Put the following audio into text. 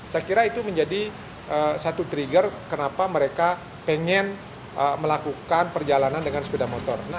saya kira itu menjadi satu trigger kenapa mereka pengen melakukan perjalanan dengan sepeda motor